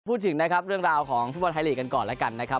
พูดถึงนะครับเรื่องราวของฟุตบอลไทยลีกกันก่อนแล้วกันนะครับ